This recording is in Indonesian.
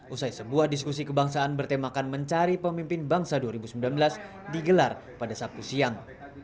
usai sebuah diskusi kebangsaan bertemakan mencari pemimpin bangsa dua ribu sembilan belas digelar pada sabtu siang